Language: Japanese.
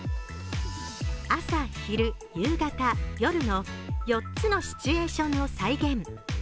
朝、昼、夕方、夜の４つのシチュエーションを再現。